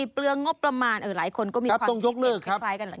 เปลืองงบประมาณหลายคนก็มีความคิดเห็นคล้ายกันแหละ